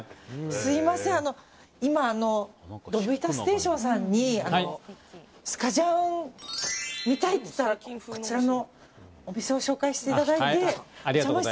すみませんドブ板ステーションさんにスカジャンを見たいと言ったらこちらのお店を紹介していただいて。